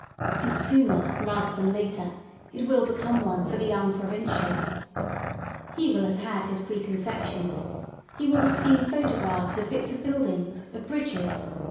And sooner rather than later it will become one for the young provincial. He will have had his preconceptions: he will have seen photographs of *'bits/* of buildings, of bridges.